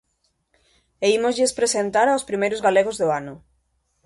E ímoslles presentar aos primeiros galegos do ano.